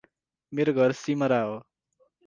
मेरो घर सिमरा हो ।